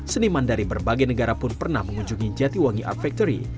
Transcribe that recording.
seniman dari berbagai negara pun pernah mengunjungi jatiwangi art factory